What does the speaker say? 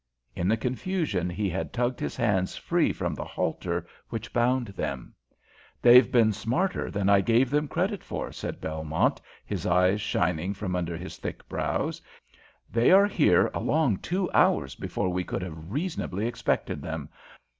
In the confusion he had tugged his hands free from the halter which bound them. "They've been smarter than I gave them credit for," said Belmont, his eyes shining from under his thick brows. "They are here a long two hours before we could have reasonably expected them.